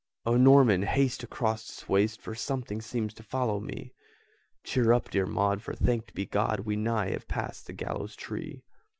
"O Norman, haste across this waste For something seems to follow me!" "Cheer up, dear Maud, for, thanked be God, We nigh have passed the gallows tree!"